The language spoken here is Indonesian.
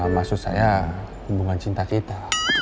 maksud saya hubungan cinta kita